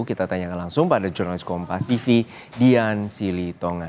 kita tanyakan langsung pada jurnalis kompas tv dian silitongan